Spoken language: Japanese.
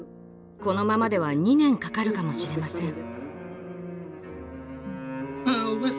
このままでは２年かかるかもしれません。